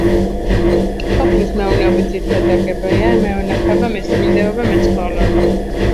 სოფლის მეურნეობის ძირითადი დარგებია: მევენახეობა, მესიმინდეობა, მეცხოველეობა.